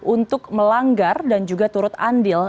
untuk melanggar dan juga turut andil